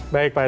baik pak azril